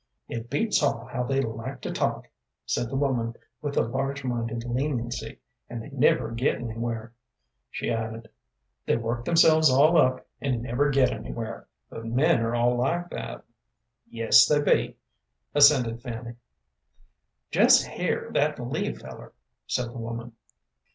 "It beats all how they like to talk," said the woman, with a large minded leniency, "and they never get anywhere," she added. "They work themselves all up, and never get anywhere; but men are all like that." "Yes, they be," assented Fanny. "Jest hear that Lee feller," said the woman.